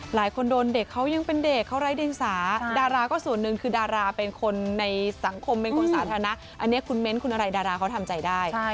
หลายคนโดนเด็กเขายังเป็นเด็กเขาไร้เดียงสาดาราก็ส่วนหนึ่งคือดาราเป็นคนในสังคมเป็นคนสาธารณะอันนี้คุณเม้นต์คุณอะไรดาราเขาทำใจได้